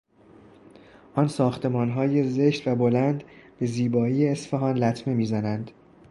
آن ساختمانهای زشت و بلند به زیبایی اصفهان لطمه میزنند.